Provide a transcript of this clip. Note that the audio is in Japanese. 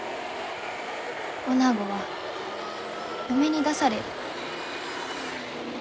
おなごは嫁に出される。